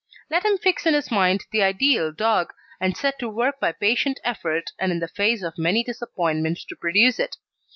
Let him fix in his mind the ideal dog, and set to work by patient effort and in the face of many disappointments to produce it.